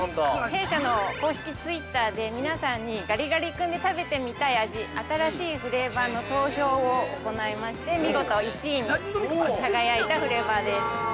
◆弊社の公式ツイッターで皆さんに、ガリガリ君で食べてみたい味、新しいフレーバーの投票を行いまして、見事１位に輝いたフレーバーです。